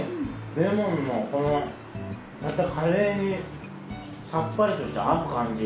レモンのこのまたカレーにさっぱりとして合う感じ。